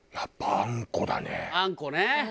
あんこね。